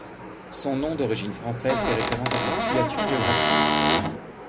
Son nom, d'origine française, fait référence à sa situation géographique.